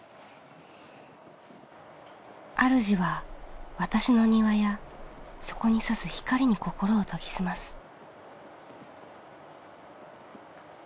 あるじは私の庭やそこにさす光に心を研ぎ澄ます。